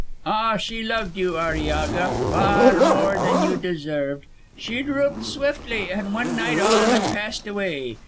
Ah, she loved you, Arillaga, far more than you deserved. She drooped swiftly, and one night all but passed away.